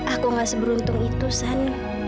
aku gak seberuntung itu san